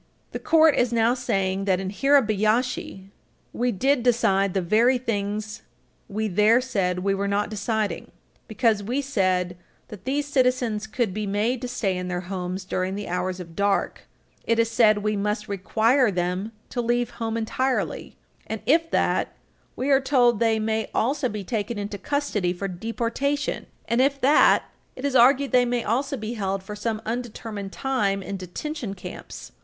The Court is now saying that, in Hirabayashi, we did decide the very things we there said we were not deciding. Because we said that these citizens could be made to stay in their homes during the hours of dark, it is said we must require them to leave home entirely, and if that, we are told they may also be taken into custody for deportation, and, if that, it is argued, they may also be held for some undetermined time in detention camps.